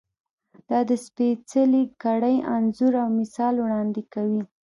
دا د سپېڅلې کړۍ انځور او مثال وړاندې کوي.